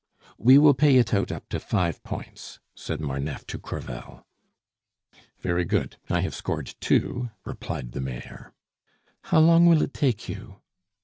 "We will pay it out up to five points," said Marneffe to Crevel. "Very good I have scored two," replied the Mayor. "How long will it take you?"